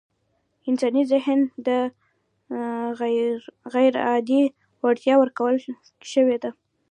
انساني ذهن ته غيرعادي وړتيا ورکول شوې ده.